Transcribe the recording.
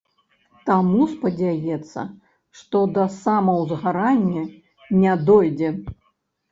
Таму спадзяецца, што да самаўзгарання не дойдзе.